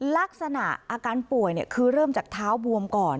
ลักษณะอาการป่วยคือเริ่มจากเท้าบวมก่อน